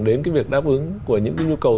đến cái việc đáp ứng của những cái nhu cầu